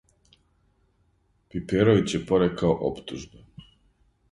Пиперовић је порекао оптужбе.